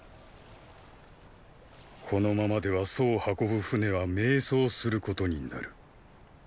このままでは楚を運ぶ船は迷走することになる。